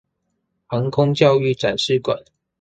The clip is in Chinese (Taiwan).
航空教育展示館